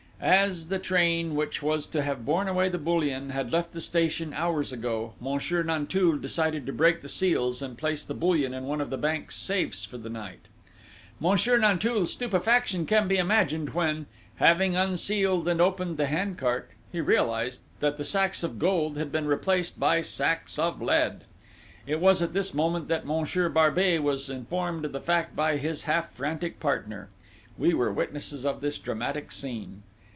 As the train, which was to have borne away the bullion, had left the station hours ago, Monsieur Nanteuil decided to break the seals, and place the bullion in one of the bank's safes for the night. "Monsieur Nanteuil's stupefaction can be imagined when, having unsealed and opened the hand cart, he realised that the sacks of gold had been replaced by sacks of lead! "It was at this moment that Monsieur Barbey was informed of the fact by his half frantic partner. We were witnesses of this dramatic scene.